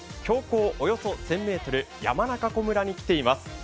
標高およそ１０００ｍ、山中湖村に来ています。